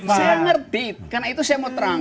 saya ngerti karena itu saya mau terang